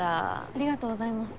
ありがとうございます。